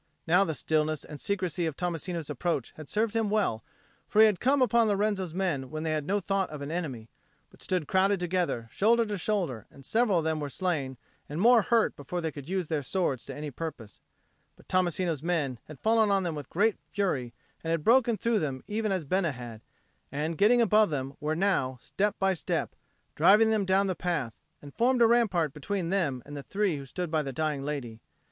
Now the stillness and secrecy of Tommasino's approach had served him well, for he had come upon Lorenzo's men when they had no thought of an enemy, but stood crowded together, shoulder to shoulder; and several of them were slain and more hurt before they could use their swords to any purpose; but Tommasino's men had fallen on them with great fury, and had broken through them even as Bena had, and, getting above them, were now, step by step, driving them down the path, and formed a rampart between them and the three who stood by the dying lady.